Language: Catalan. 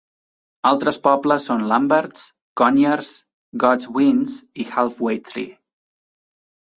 Altres pobles són Lamberts, Conyers, Godwin's i Half Way Tree.